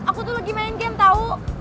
aku tuh lagi main game tau